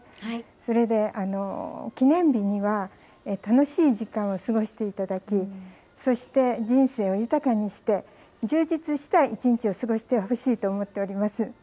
それで記念日には楽しい時間を過ごしていただき、そして人生を豊かにして、充実した一日を過ごしてほしいと思っております。